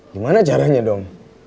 gimana caranya dong